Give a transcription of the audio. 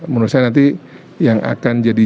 menurut saya nanti yang akan jadi